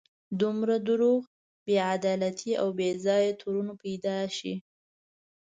دومره دروغ، بې عدالتي او بې ځایه تورونه پیدا شي.